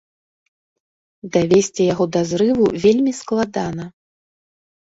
Давесці яго да зрыву вельмі складана.